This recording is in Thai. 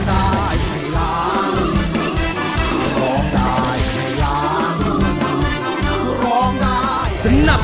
บ่ายมุมตรงนะครับทุกวันเสาร์วันอาทิตย์แบบนี้นะครับ